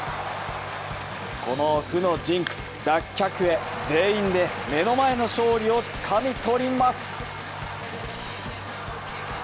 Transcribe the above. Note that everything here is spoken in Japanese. この負のジンクス脱却へ全員で目の前の勝利をつかみ取ります！